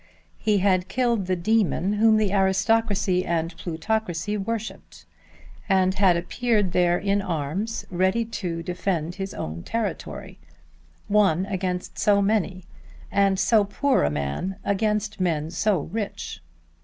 He had killed the demon whom the aristocracy and plutocracy worshipped, and had appeared there in arms ready to defend his own territory, one against so many, and so poor a man against men so rich!